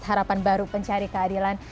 harapan baru pencari keadilan